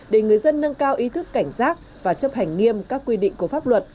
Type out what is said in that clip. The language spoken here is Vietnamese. để người dân nâng cao ý thức cảnh giác và chấp hành nghiêm các quy định của pháp luật